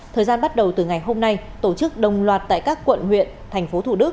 thời gian bắt đầu từ ngày hôm nay tổ chức đồng loạt tại các quận huyện thành phố thủ đức